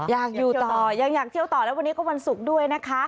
อยากอยู่ต่ออยากเที่ยวต่อแล้ววันนี้ก็วันศุกร์ด้วยนะคะ